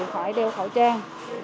phải đeo khẩu trang